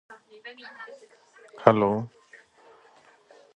It facilitates good project management and project evaluation.